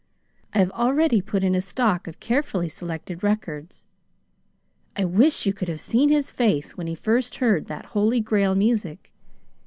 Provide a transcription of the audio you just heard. I have already put in a stock of carefully selected records. I wish you could have seen his face when he first heard that Holy Grail music.